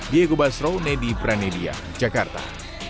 diego basro nedi pranedia jakarta